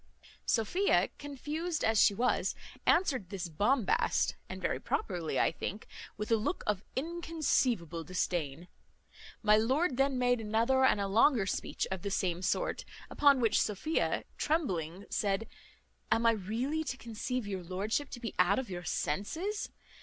Sophia, confused as she was, answered this bombast (and very properly I think) with a look of inconceivable disdain. My lord then made another and a longer speech of the same sort. Upon which Sophia, trembling, said, "Am I really to conceive your lordship to be out of your senses?